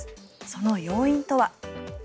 その要因とは。